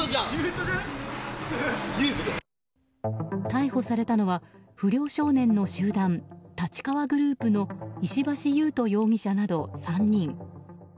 逮捕されたのは不良少年の集団立川グループの石橋勇人容疑者など３人。